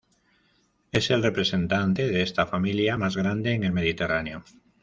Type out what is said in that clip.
Es el representante de esta familia más grande en el Mediterráneo.